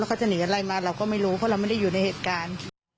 เพราะเราไม่ได้อยู่ในเหตุการณ์